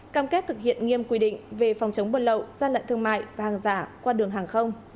cam kết thực hiện nghiêm quy định về phòng chống bơn lậu ra lệnh thương mại và hàng giả qua đường hàng không